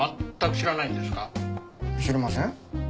知りません。